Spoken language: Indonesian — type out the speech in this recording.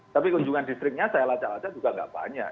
tapi kunjungan distriknya saya laca laca juga tidak banyak